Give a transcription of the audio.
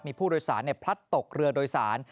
มีผู้โดยสารพลัดตกเรือโดยสาร